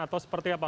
atau seperti apa